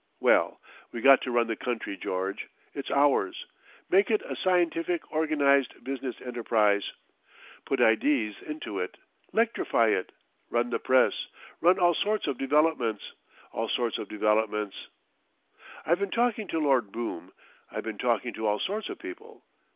Well, we got to run the country, George. It's ours. Make it a Scientific Organised Business Enterprise. Put idees into it. 'Lectrify it. Run the Press. Run all sorts of developments. All sorts of developments. I been talking to Lord Boom. I been talking to all sorts of people.